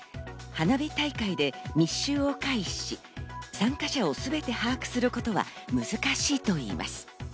花火大会で密集を回避し、参加者をすべて把握することは難しいといいます。